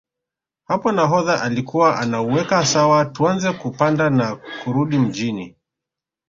Hapo nahodha alikuwa anauweka sawa tuanze kupanda na kurudi Mjini